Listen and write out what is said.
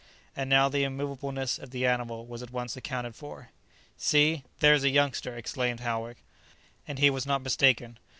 And now the immoveableness of the animal was at once accounted for. "See; there's a youngster!" exclaimed Howick. And he was not mistaken.